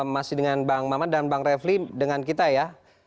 masih dengan bang maman dan bang refli dengan kita ya